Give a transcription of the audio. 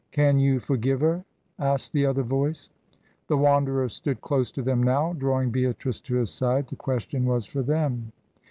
"Can you forgive her?" asked the other voice. The Wanderer stood close to them now, drawing Beatrice to his side. The question was for them.